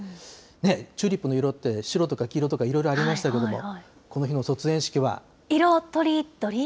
チューリップの色って、白とか黄色とかいろいろありましたけれど色とりどり？